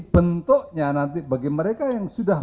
bentuknya nanti bagi mereka yang sudah